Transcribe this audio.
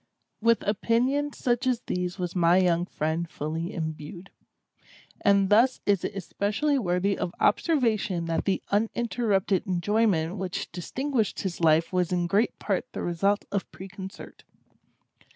With opinions such as these was my young friend fully imbued; and thus is it especially worthy of observation that the uninterrupted enjoyment which distinguished his life was in great part the result of preconcert.